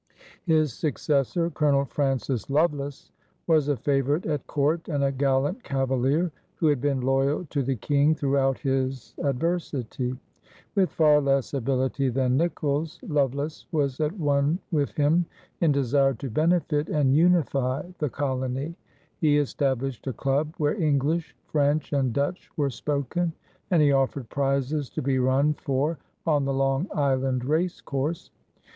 His successor, Colonel Francis Lovelace, was a favorite at court and a gallant cavalier who had been loyal to the King throughout his adversity. With far less ability than Nicolls, Lovelace was at one with him in desire to benefit and unify the colony. He established a club where English, French, and Dutch were spoken, and he offered prizes to be run for on the Long Island race course.